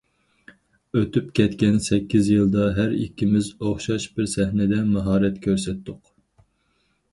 ئۆتۈپ كەتكەن سەككىز يىلدا ھەر ئىككىمىز ئوخشاش بىر سەھنىدە ماھارەت كۆرسەتتۇق.